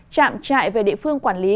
chạm chạy về địa phương quản lý